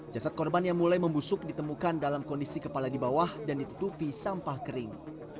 jasad korban yang mulai membusuk ditemukan dalam kondisi kepala di bawah dan ditutupi sampah kering